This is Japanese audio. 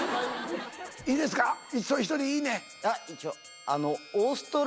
いいですかひとりいいね？